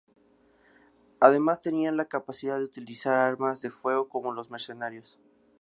Además tenían la capacidad de utilizar armas de fuego como los mercenarios.